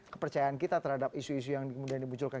kepercayaan kita terhadap isu isu yang kemudian dimunculkan